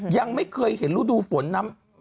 ยังไม่เคยเห็นรูดูฝน